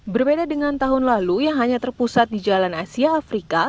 berbeda dengan tahun lalu yang hanya terpusat di jalan asia afrika